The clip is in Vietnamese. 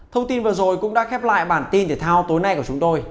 thông tin vừa rồi cũng đã khép lại bản tin thể thao tối nay của chúng tôi